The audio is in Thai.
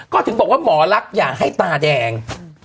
ก็ถึงบอกว่าหมอรักอย่าให้ตาแดง